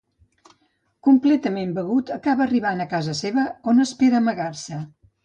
Completament begut acaba arribant a casa seva on espera amagar-se.